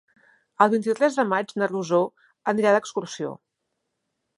El vint-i-tres de maig na Rosó anirà d'excursió.